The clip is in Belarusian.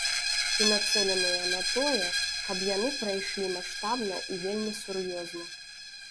І нацэленыя на тое, каб яны прайшлі маштабна і вельмі сур'ёзна.